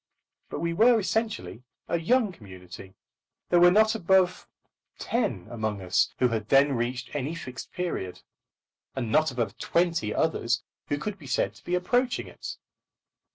But we were essentially a young community. There were not above ten among us who had then reached any Fixed Period; and not above twenty others who could be said to be approaching it.